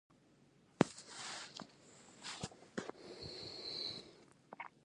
ځمکه د افغانستان د صنعت لپاره ډېر مواد برابروي.